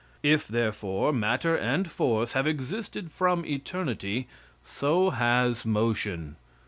If therefore, matter and force have existed from eternity, so has motion.